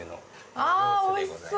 あ、おいしそう。